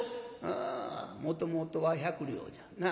「ああもともとは百両じゃな。